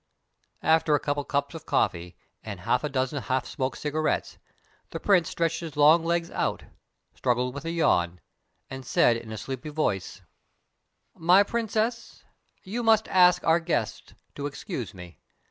After a couple of cups of coffee and half a dozen half smoked cigarettes, the Prince stretched his long legs out, struggled with a yawn, and said in a sleepy voice: "My Princess, you must ask our guests to excuse me.